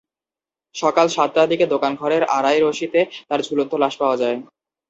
সকাল সাতটার দিকে দোকানঘরের আড়ায় রশিতে তাঁর ঝুলন্ত লাশ পাওয়া যায়।